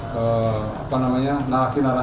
kepala biro penerangan masyarakat